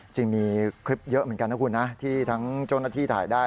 จริงมีคลิปเยอะเหมือนกันนะคุณนะที่ทั้งเจ้าหน้าที่ถ่ายได้